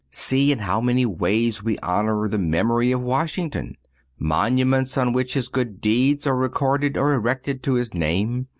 See in how many ways we honor the memory of Washington. Monuments on which his good deeds are recorded are erected to his name.